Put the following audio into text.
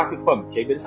thực phẩm chế biến sẵn